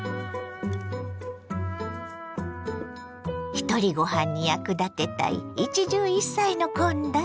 ひとりごはんに役立てたい一汁一菜の献立。